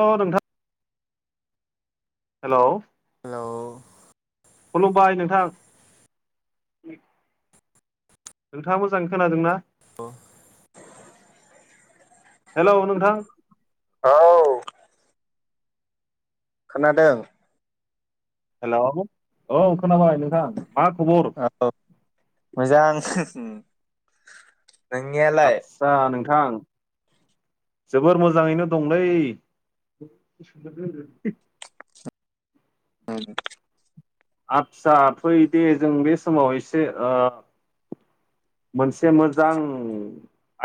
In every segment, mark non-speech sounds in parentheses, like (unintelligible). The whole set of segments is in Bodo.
औ नोंथां हेल'! हेल'! खुलुमबाय नोंथां! नोंथाङा मोजाङै खोनादों ना? (inaudible) हेल' नोंथां औ खोनादों हेल' औ खोनाबाय नोंथां। मा खबर? औ मोजां (inaudible) आदसा नोंथां जोबोर मोजाङैनो दंलै ओम आदसा फै दे जों बे समाव एसे ओ मोनसे मोजां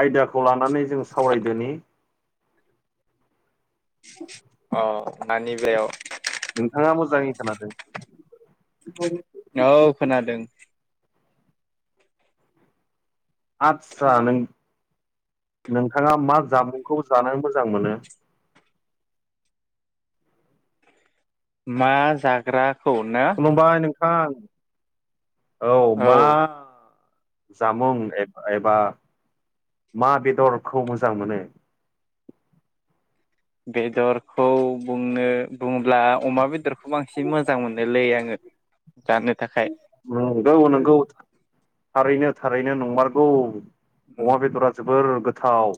आयदाखौ लानानै जों सावरायदोनि औ नानि बेलायाव नोंथांङा मोजांङै खोनादों? (unintelligible) औ खोनादों आतसा नों नोंथांङा मा जामुंखौ जानो मोजां मोनो? मा जाग्राखौ ना? थां औ मा जामुं ए-एबा मा बेदरखौ मोजां मोनो? बेदरखौ बुंनो बुंङोब्ला अमा बेदर बेदरखौ बांसिन मोजां मोनोलै आंङो जानो थाखाय। नंगौ नंगौ थारैनो थारैनो नंमारगौ अमा बेदरा जोब बोर गोथाव।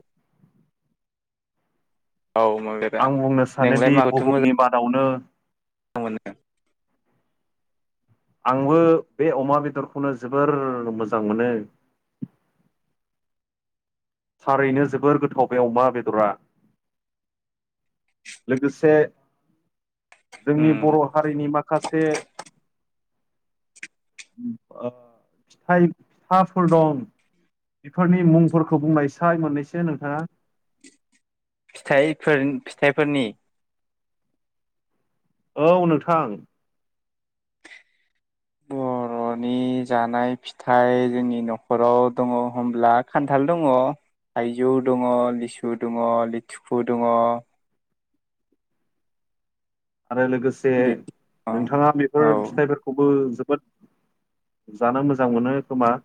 औ अमा बेदरा आं बुंनो नोंलाय सानोदि माखौथो बुहुमनि मोजां मादावनो मोनो आंबो बे अमा बेदरखौनो जोबोर मोजां मोनो। (inaudible) थारैनो जोबोर गोथाव बे अमा बेदरा। लोगोसे उम जोंनि बर' हारिनि माखासे ओ फिथाइ - फिथाफोर दं बेफोरनि मुंफोरखौ बुंनायसाय मोननैसो नोंथांङा फिथाइफोर - फिथाइफोरनि औ नोंथां नि जानाय फिथाइ जोंनि न'खराव दंङ होनब्ला खान्थाल दंङ थाइजौ दंङ लिसु दंङ लिथिखु दंङ आरो लोगोसे बे नोंथांङा औ बेफोर फिथाइफोरखौबो जोब जोबोद जानो मोजां मोनो खोमा?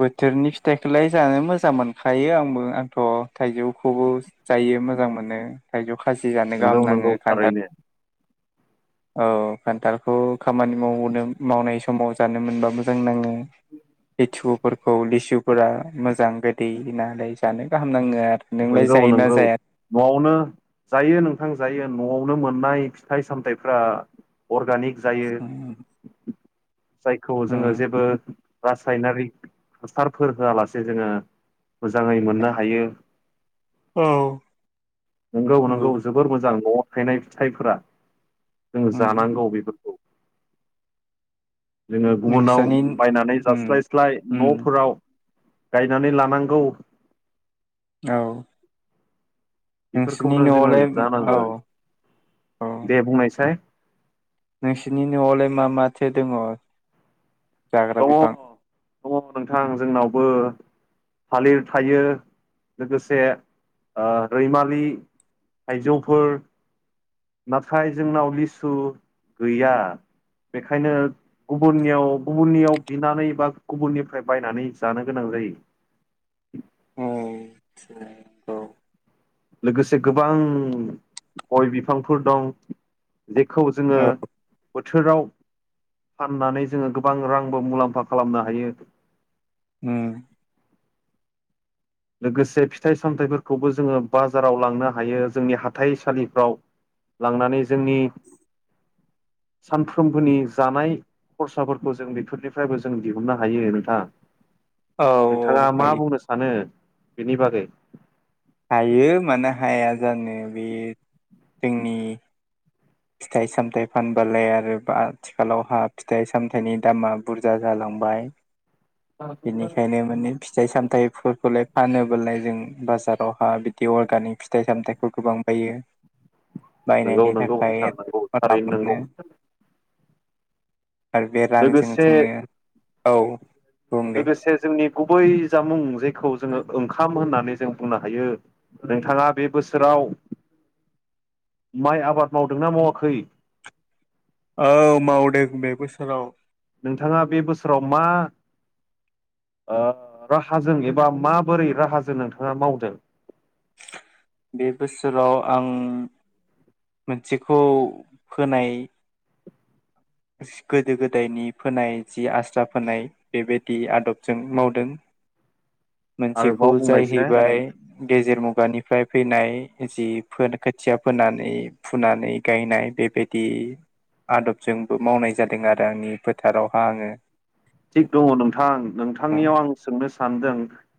बोथोरनि फिथाइखौलाय जानो मोजां मोनखायो आंबो आंथ' थाइजौखौबो जायो। मोजां मोनो थाइजौ खाजि जानो नंगौ गाहाम नंगौ नांङो खान्थाल थारैनो (inaudible) औ खान्थालखौ खामानि मावनो - मावनाय समाव जानो मोनबा मोजां नांङो। लिथुखुफोरखौ लिसुफोरा मोजां गोदै नालाय जानो गाहाम नांङो आरो। नोंलाय नंगौ जायोना नंगौ न'आवनो जायो नों नोंथां जायो न'आवनो मोननाय फिथाइ सामथायाइफ्रा अर्गानिक जायो जाया जायखौ जोंङो उम जेबो रासायनारिक हासारफोर होआलासे जोंङो मोजांङै मोननो हायो। औ नंगौ नंगौ जोबोर मोजां न'आव थायनाय फिथाइफोरा जोंङ उम जानांगौ बेफोरखौ जोंङो गुबुनाव नोंस्रानि बायनानै उम जास्लायस्लाय उम न'फोराव गायनानै लानांगौ। औ नोंसोरनि बेफोरखौनो जोंङो न'आवलाय औ जानांगौ दे बुंनायसाय नोंसिनि न'आवलाय मा माथो दंङ? दंङ दंङ नोंथां जोंनावबो थालिर थायो लोगोसे ओ रैमालि थायजौफोर नाथाय जोंनाव लिसु गैया। बेखायनो गुबुननियाव गुबुननियाव बिनानै बा गुबुननिफ्राय बायनानै जानो गोनां जायो। उम औ लोगोसे गोबां गय बिफांफोर दं। जेखौ जोङो। औ बोथोराव फाननानै जोङो गोबां रांबो मुलाम्फा खालामनो हायो। उम लोगोसे फिथाइ-सामथाइफोरखौबो जोङो बाजाराव लांनो हायो जोंनि हाथाइसालिफ्राव लांनानै जोंनि सानफ्रोमबोनि जानाय। खरसाफोरखौ जों बेफोरनिफ्रायबो जों दिहुननो हायो नोंथां। औ नोंथाङा मा हायो बुंनो सानो बेनि बागै? हायो मानो हाया जानो बे जोंनि फिथाइ सामथाइ फानबालाय आरो बा आथिखालावहा फिथाइ सामथायाइनि दामा बुरजा जालां बाय बेनिखायनो माने फिथाय सामथायफोरखौलाय फानोबालाय जों बाजारावहा बिदि अर्गानिक फिथाइ सामथाइखौ गोबां बायो। नंगौ बायनायनि नंगौ थाखाय नोंथा नंगौ रां थारैनो नंगौ। मोनो आरो बे रांजों लोगोसे जोङो औ। बुं दे लोगोसे जोंनि गुबै जामुं जायखौ जोङो ओंखाम होननानै जों बुंनो हायो नोंथाङा बे बोसोराव माइ आबाद मावदोंना मावाखै? औ मावदों बे बोसोराव। नोंथाङा बे बोसोराव मा ओ राहाजों एबा माबोरै राहाजों नोंथाङा मावदों? (inaudible) बे बोसोराव आं मोनसेखौ फोनाय गोदो गोदायनि फोनाय जि आस्रा फोनाय बेबायदि आदबजों मावदों। (inaudible) मोनसेखौ आरोबाव बुंनायसाय जाहैबाय गेजेर मुगानि फ्राय फैनाय जि फोन खोथिया फोनानै फुनानै गायनाय बेबायदि आदबजोंबो मावनाय जादों आरो आंनि फोथारावहा आङो थिग दङ नोंथां नोंथांनियाव आं सोंनो सानदों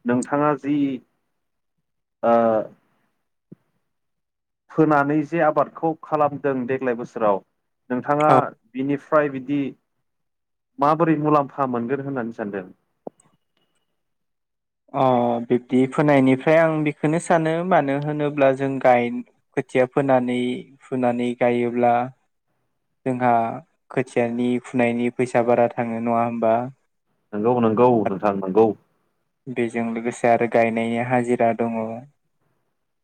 नोंथाङा जि ओ फोनानै जे आबादखौ खालामदों देग्लाय बोसोराव नोंथाङा औ बिनि फ्राय बिदि माबोरै मुलाम्फा मोनगोन होननानै सानदों? (inaudible) अह बिब्दि फोनायनिफ्राय आं बेखोनो सानो मानो होनोब्ला जों गाय खोथिया फोनानै फुनानै गायोब्ला जोंहा खोथियानि फुनायनि फैसा बारा थाङो नङा होमबा? नंगौ नंगौ नोंथां नंगौ। बेजों लोगोसे आरो गायनायनि हाजिरा दङ।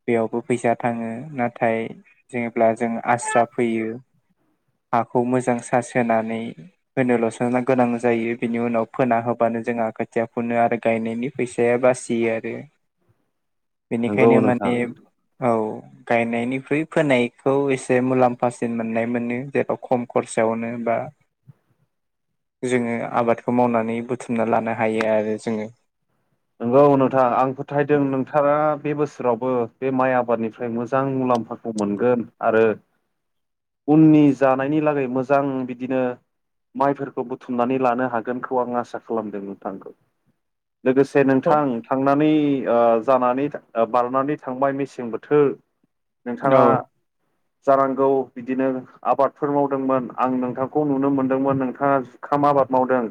बेयावबो फैसा थाङो नाथाय जेब्ला जों आस्रा फैयो हाखौ मोजां सासोनानै होनो ल'सो गोनां जायो बिनि उनाव फोना होबा नो जोंहा खोथिया फुनो आरो गायनायनि फैसाया बासियो आरो। नंगौ बेनिखायनो माने नोंथां औ। गायनायनिख्रुइ फोनायखौ एसे मुलाम्फासिन मोननाय मोनो जेथ' खम खरसायावनो बा (inaudible) जोङो आबादखौ मावनानै बुथुमना लानो हायो आरो जोङो। नंगौ नोंथां आं फोथायदों नोंथाङा बे बोसो रावबो बे माइ आबादनिफ्राय मोजां मुलाम्फाखौ मोनगोन आरो उननि जानायनि लागै मोजां बिदिनो माइफोरखौ बुथुमनानै लानो हागोनखौ आं आसा खालामदों नोंथांखौ लोगोसे जे औ नोंथां थांनानै ओ जानानै ओ बारनानै थांबाय मेसें बोथोर नोंथाङा जानांगौ बिदिनो आबादफोर मावदोंमोन आं नोंथांखौ नुनो मोनदोंमोन नोंथाङा जुखाम आ बाद मावदों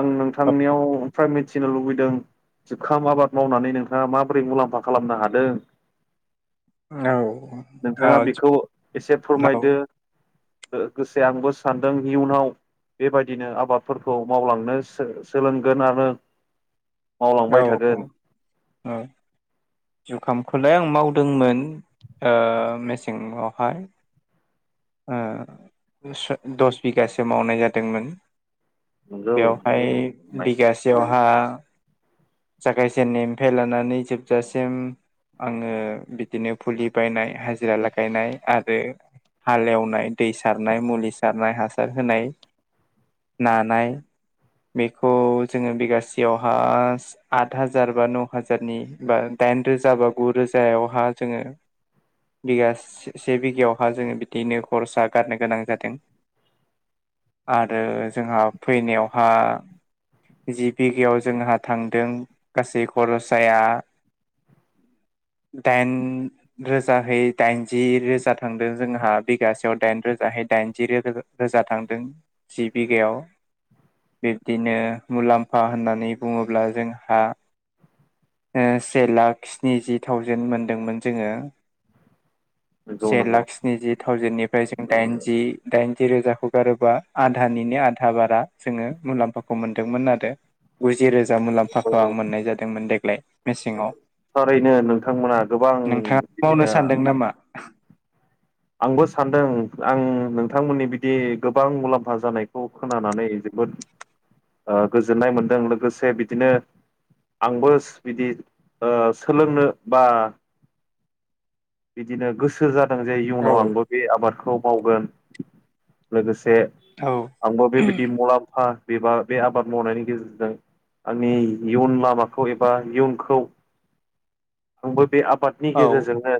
आं नोंथांनियाव फ्राय मिथिनो लुबैदों। जुखाम आबाद मावनानै नोंथाङा माबोरै मुलाम्फा खालामनो हादों? औ (inaudible) नोंथाङा बेखौ औ एसे फोरमायदो। ओ-गोसे आंबो सानदों इयुनाव बेबायदिनो आबादफोरखौ मावलांनो सो-सोलोंगोन आरो (inaudible) औ औ थागोन औ। जुखामखौलाय आं मावदोंमोन ओ मेसेंआवहाय। ओ बेसर दस बिगासो मावनाय जादोंमोन। नंगौ बेवहाय बिगासेयावहा जागाय जेननायनिफ्राय लानानै जोबजासिम सिम आङो बिदिनो फुलि बायनाय हाजिरा लागायनाय आरो हालेवनाय दै सारनाय मुलि सारनाय हासार होनाय ना नाय बेखौ जोङो बिगासेयावहास आद हाजार बा नौ' हाजारनि बार दाइन रोजा बा गु रोजायावहा जोङो बिगासे से बिगायावहा जोङो बिदिनो खरसा गारनो गोनां जादों। आरो जोंहा फैनायावहा जि बिगायाव जोंहा थांदों गासै खर'साया (inaudible) दाइन रोजाहै दाइनजि रोजा थांदों जोंहा बिगासेयाव दाइन रो जाहै दाइनजि रो रोजा थांदों जि बिगायाव। बिब्दिनो मुलाम्फा होननानै बुङोब्ला जोंहा ओ से लाख स्निजि थावजेेन मोनदोंमोन जोङो। नंगौ से नंगौ लाख स्निजि थावजेेननिफ्राय जों दाइनजि दाइनजिरोजाखौ गारोबा आधानिनो आधा बारा जोङो मुलाम्फाखौ मोनदों मोन आरो गुजि रोजा मुलाम्फाखौ आं मोननाय जादोंमोन देग्लाय मेसेङाव। थारैनो नोंथांमोना गोबां नोंथाङा मावनो बिदिनो सानदों नामा आंबो सानदों आं नोंथांमोननि बिदि गोबां मुलाम्फा जानायखौ खोनानानै बोद गोजोननाय मोनदों लोगोसे बिदिनो आंबोस बिदि ओ सोलोंनो बा बिदिनो गोसो जादों जे औ इयुनाव आंबो बे आबादखौ मावगोन लोगोसे से औ आंबो बेबायदि मुलाम्फा एबा बे आबाद मावनायनि गेजेरजों आंनि इयुन लामाखौ एबा इयुनखौ (inaudible) आंबो बे आबा बादनि औ गेजेरजोंनो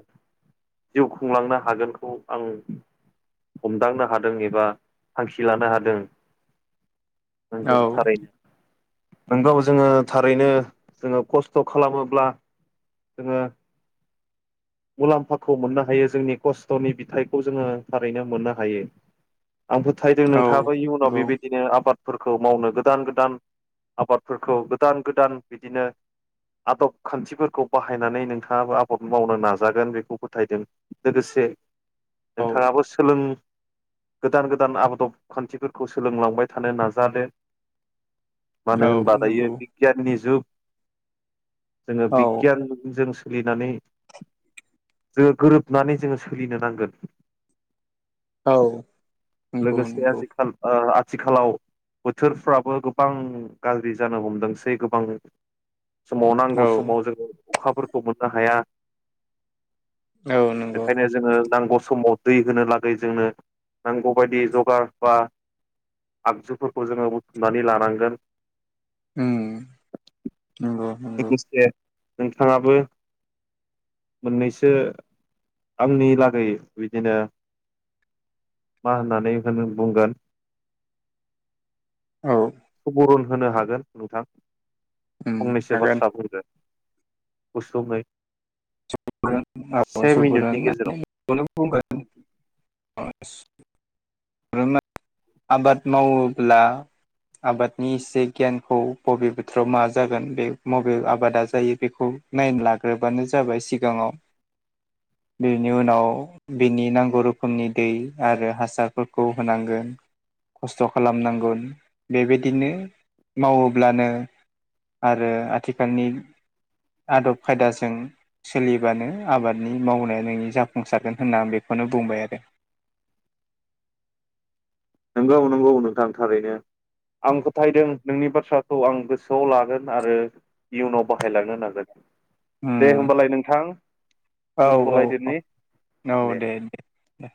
जिउ खुंलांनो हागोनखौ आं हमदांनो हादों एबा थांखि लानो हादों। आं दं औ थारैनो। नोंगौ जोङो थारैनो जोङो खस्थ' खालामोब्ला जोङो (inaudible) मुलाम्फाखौ मोननो हायो जोंनि खस्थ'नि बिथाइखौ जोङो थारैनो मोननो हायो। आं फोथायदों नंगौ नोंथाङाबो इयुनाव बेबायदिनो आबाद फोरखौ मावनो गोदान-गोदान आबादफोरखौ गोदान-गोदान बिदिनो आदब खान्थिफोरखौ बाहायनानै नोंथाङाबो आबाद मावनो नाजा जागोन बेखौ फोथायदों लोगोसे औ नोंथाङाबो सोलों गोदान-गोदान आबदब खान्थिफोरखौ सोलोंलांबाय थानो नाजादो। औ मानो होनबा दायो नंगौ बिगियाननि जुग जोङो औ बिगियानजों सोलिनानै जोङो गोरोबनानै जोङो सोलिनो नांगोन। औ (inaudible) नंगौ लोगोसे नंगौ आजिखाल ओ आथिखालाव बोथोरफ्राबो गोबां गाज्रि जानो हमदोंसै गोबां समाव नांगौ औ समाव जोङो अखाफोरखौ मोननो हाया। औ नंगौ बेखायनो जोङो नांगौ समाव दै होनो लागै जोंनो नांगौबायदि जगार बा आगजुफोरखौ जोङो बुथुमनानै लानांगोन। उम नंगौ नंगौ। लोगोसे नोंथाङाबो। मोननैसो आंनि लागै बिदिनो मा होननानै होन बुंगोन औ सुबुरुन होनो हागोन नोंथां उम फंनैसो। हागोन बाथ्रा बुंदो गुसुङै। (unintelligible) से मिनिटनि सुबुरुन (unintelligible) गेजेराव (unintelligible) आबाद मावोब्ला आबादनि एसे गियानखौ बबे बोथोराव मा जागोन बे मबे आबादा जायो बेखौ नायन लाग्रोबानो जाबाय सिगाङाव बेनि उनाव बिनि नांगौ रोखोमनि दै आरो हासारफोरखौ होनांगोन। खस्थ' खालामनांगोन बेबायदिनो मावोब्लानो आरो आथिखालनि आदब खायदाजों सोलिबानो आबादनि मावनाया नोंनि जाफुंसारगोन होनना आं बेखौनो बुंबाय आरो। नंगौ नंगौ नोंथां थारैनो। आं फोथायदों नोंनि बाथ्राखौ आं गोसोआव लागोन आरो इयुनाव बाहायलांनो नांगोन। उम दे होमबालाय नोंथां। औ औ औ दोनथ'लायदिनि औ दे दे दे।